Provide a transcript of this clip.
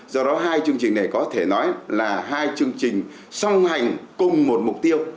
do đó hai chương trình này có thể nói là hai chương trình song hành cùng một mục tiêu